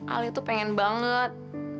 alia tuh pengen banget